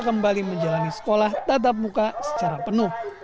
dan kembali menjalani sekolah tatap muka secara penuh